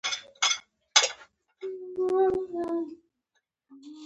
د جامو ډیزاینران شته؟